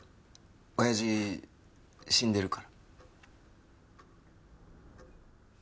親父死んでるから。